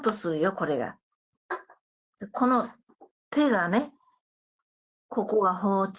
この手がね、ここが包丁。